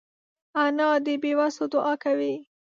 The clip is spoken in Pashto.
انا د بېوسو دعا کوي